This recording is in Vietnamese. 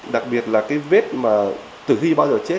đặc biệt là cái vết mà tử nghi bao giờ chết